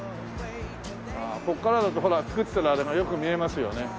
ここからだとほら作ってるあれがよく見えますよね。